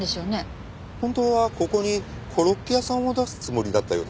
本当はここにコロッケ屋さんを出すつもりだったようです。